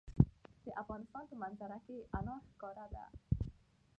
د افغانستان په منظره کې انار ښکاره ده.